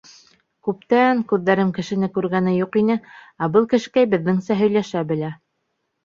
— Күптә-ән күҙҙәрем кешене күргәне юҡ ине, ә был кешекәй беҙҙеңсә һөйләшә белә.